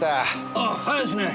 あっ早いっすね。